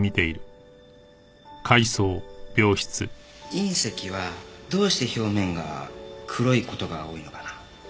隕石はどうして表面が黒い事が多いのかな？